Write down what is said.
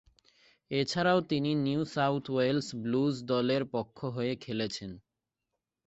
এছাড়াও তিনি New South Wales Blues দলের পক্ষ হয়ে খেলেছেন।